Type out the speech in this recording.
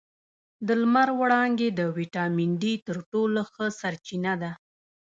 د لمر وړانګې د ویټامین ډي تر ټولو ښه سرچینه ده